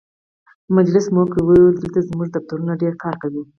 مجلس مو وکړ، ویل یې دلته زموږ دفترونه ډېر کار کوي.